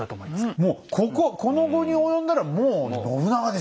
もうこここの期に及んだらもう信長でしょう。